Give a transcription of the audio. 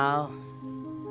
dia berada di rumah saya